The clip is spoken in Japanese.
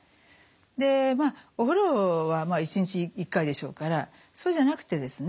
でまあお風呂は一日１回でしょうからそうじゃなくてですね